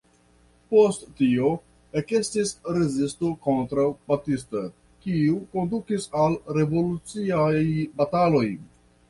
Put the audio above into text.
Post tio ekestis rezisto kontraŭ Batista, kiu kondukis al revoluciaj bataloj.